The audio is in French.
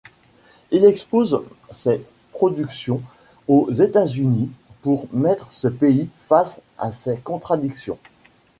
Il expose ses productions aux États-Unis pour mettre ce pays face à ses contradictions.